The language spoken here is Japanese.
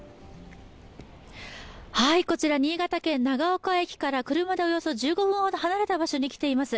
こちら新潟県長岡駅から車でおよそ１５分ほど離れた場所に来ています。